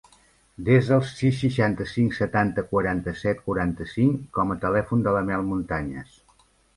Desa el sis, seixanta-cinc, setanta, quaranta-set, quaranta-cinc com a telèfon de la Mel Montañes.